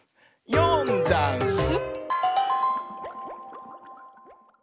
「よんだんす」